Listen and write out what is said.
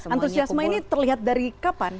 antusiasme ini terlihat dari kapan